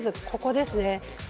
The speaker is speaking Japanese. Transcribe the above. ここですね。